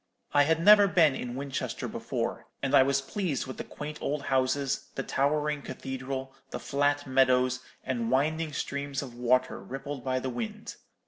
I had never been in Winchester before, and I was pleased with the quaint old houses, the towering cathedral, the flat meadows, and winding streams of water rippled by the wind.